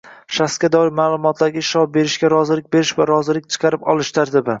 Shaxsga doir ma’lumotlarga ishlov berishga rozilik berish va rozilikni chaqirib olish tartibi